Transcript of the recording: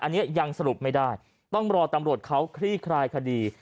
อันนี้ยังสรุปไม่ได้ต้องรอตำรวจเขาคลี่คลายคดี